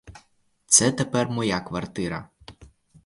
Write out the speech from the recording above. Це тепер моя квартира.